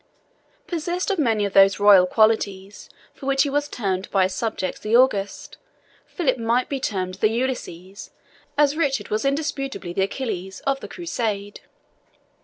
Possessed of many of those royal qualities for which he was termed by his subjects the August, Philip might be termed the Ulysses, as Richard was indisputably the Achilles, of the Crusade.